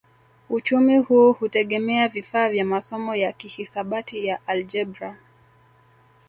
Uchumi huu hutegemea vifaa vya masomo ya kihisabati ya aljebra